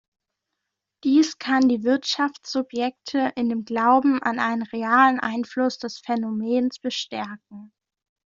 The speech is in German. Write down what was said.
Dies kann die Wirtschaftssubjekte in dem Glauben an einen realen Einfluss des Phänomens bestärken.